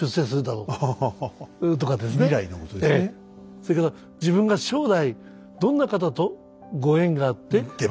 それから「自分が将来どんな方とご縁があって結婚するか」。